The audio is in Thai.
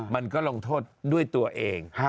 มันก็ลงโทษด้วยตัวเอง